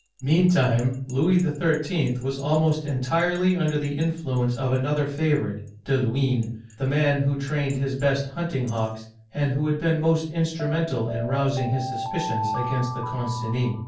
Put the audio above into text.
Meantime, Louis XI I L was almost entirely under the influence of another favorite (De Luynes), the man who trained his best hunting hawks, and who had been most instrumental in rousing his suspi cions against the Concinis.